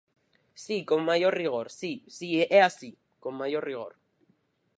Si, con maior rigor, si, si, é así, con maior rigor.